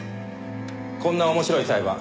こんな面白い裁判